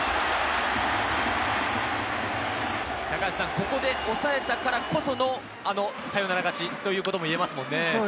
ここで抑えたからこその、あのサヨナラ勝ちということもいえますもんね。